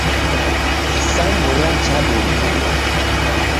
Kisambura chadumbulwa.